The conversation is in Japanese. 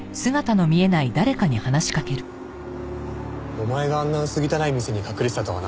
お前があんな薄汚い店に隠れてたとはな。